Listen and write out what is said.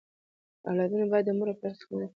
اولادونه بايد د مور او پلار خدمت وکړي.